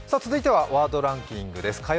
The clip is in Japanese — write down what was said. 続いてはワードランキングです。